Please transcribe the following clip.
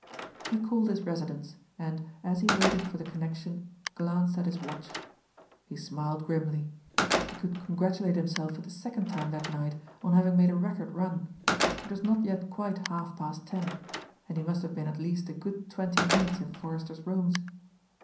He called his residence, and, as he waited for the connection, glanced at his watch. He smiled grimly. He could congratulate himself for the second time that night on having made a record run. It was not yet quite half past ten, and he must have been at least a good twenty minutes in Forrester's rooms.